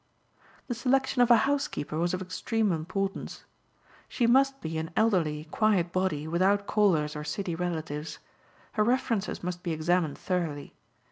The selection of a housekeeper was of extreme importance. She must be an elderly, quiet body without callers or city relatives. Her references must be examined thoroughly.